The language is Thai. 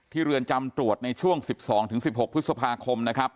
เรือนจำตรวจในช่วง๑๒๑๖พฤษภาคมนะครับ